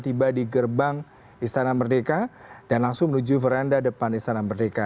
tiba di gerbang istana merdeka dan langsung menuju veranda depan istana merdeka